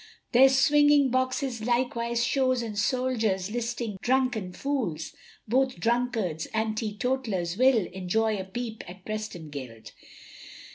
There's swinging boxes, likewise shows, And soldiers 'listing drunken fools, Both drunkards and teetotallers will, Enjoy a peep at Preston Guild.